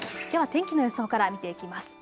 では天気の予想から見ていきます。